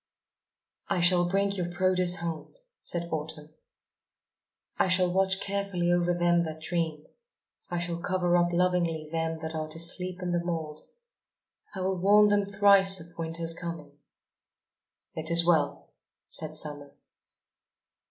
"I shall bring your produce home," said Autumn. "I shall watch carefully over them that dream, I shall cover up lovingly them that are to sleep in the mould. I will warn them thrice of Winter's coming." "It is well," said Summer.